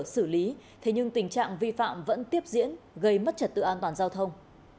xử lý thế nhưng tình trạng vi phạm vẫn tiếp diễn gây mất trật tự an toàn giao thông